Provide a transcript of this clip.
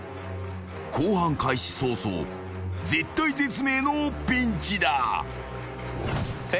［後半開始早々絶体絶命のピンチだ］